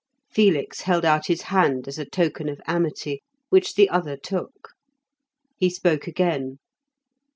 Felix held out his hand as a token of amity, which the other took. He spoke again.